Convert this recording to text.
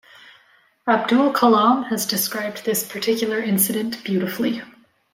Abdul Kalam has described this particular incident beautifully.